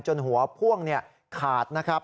หัวพ่วงขาดนะครับ